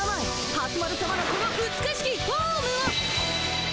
蓮丸さまのこの美しきフォームを！